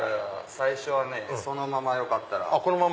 最初はねそのままよかったら。